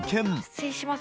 失礼します